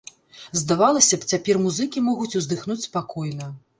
Здавалася б, цяпер музыкі могуць уздыхнуць спакойна.